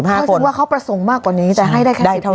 หรือว่าเขาประสงค์มากกว่านี้แต่ให้ได้แค่๑๐ลำ